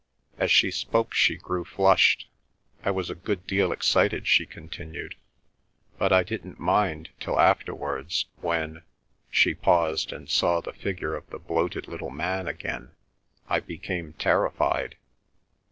As she spoke she grew flushed. "I was a good deal excited," she continued. "But I didn't mind till afterwards; when—" she paused, and saw the figure of the bloated little man again—"I became terrified."